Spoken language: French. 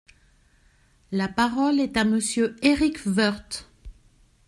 La parole est à Monsieur Éric Woerth.